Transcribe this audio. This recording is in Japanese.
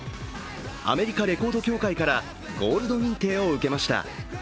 アメリカレコード協会からゴールド認定を受けました。